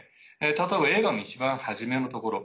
例えば映画の一番初めのところ。